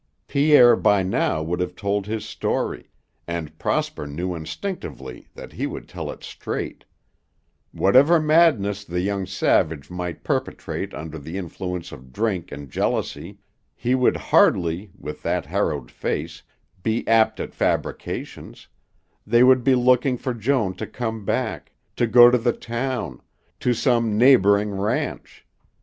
Pierre by now would have told his story and Prosper knew instinctively that he would tell it straight; whatever madness the young savage might perpetrate under the influence of drink and jealousy, he would hardly, with that harrowed face, be apt at fabrications they would be looking for Joan to come back, to go to the town, to some neighboring ranch.